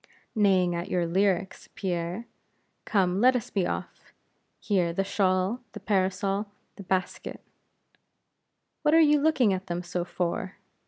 "Neighing at your lyrics, Pierre. Come, let us be off. Here, the shawl, the parasol, the basket: what are you looking at them so for?"